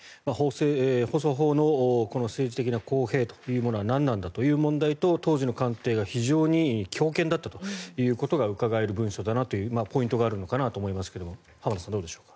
放送法の政治的な公平というものは何なんだという問題と当時の官邸が非常に強権だったということがうかがえる文書だというポイントがあるのかなと思いますが浜田さん、どうでしょう。